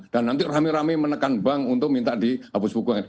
dan nanti rame rame menekan bank untuk minta dihapus pukul